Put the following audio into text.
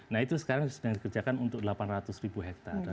nah itu sekarang sedang dikerjakan untuk delapan ratus ribu hektare